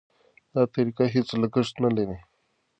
دا طریقه هېڅ لګښت نه لري.